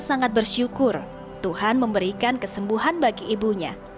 sangat bersyukur tuhan memberikan kesembuhan bagi ibunya